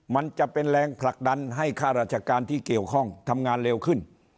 มันจะเป็นแรงผลักดันให้ค่าราชการที่เกี่ยวข้องทำงานเร็วขึ้น